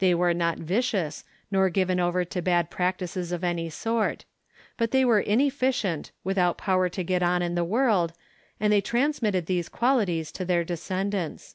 They were not vicious, nor given over to bad practices of any sort. But they were inefficient, without power to get on in the world, and they transmitted these qualities to their descendants.